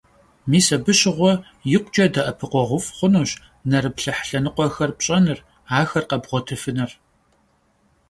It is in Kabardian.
Mis abı şığue yikhuç'e de'epıkhueğuf' xhunuş nerıplhıh lhenıkhuexer pş'enır, axer khebğuetıfınır.